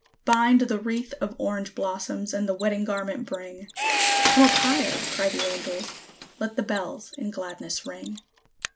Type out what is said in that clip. Bind the wreath of orange blossoms, and the wedding garment bring. "Come up higher!" cry the angels. Let the bells in gladness ring.